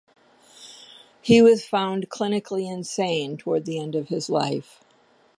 He was found clinically insane towards the end of his life.